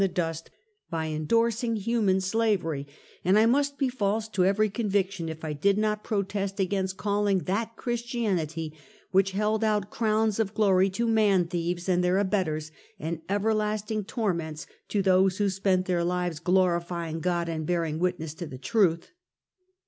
the dust by endorsing human slavery; and I must be false to every conviction if I did not protest against calling that Christianity which held out crowns of glory toman thieves and their abettors, and everlasting torments to those who had spent their lives glorifying God and bearing witness to the truth.